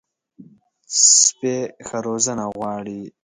سپي ښه روزنه غواړي.